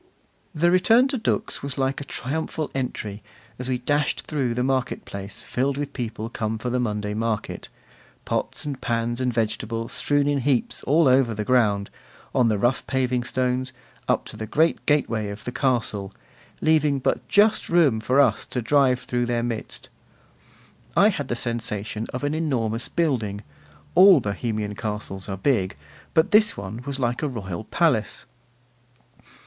The return to Dux was like a triumphal entry, as we dashed through the market place filled with people come for the Monday market, pots and pans and vegetables strewn in heaps all over the ground, on the rough paving stones, up to the great gateway of the castle, leaving but just room for us to drive through their midst. I had the sensation of an enormous building: all Bohemian castles are big, but this one was like a royal palace.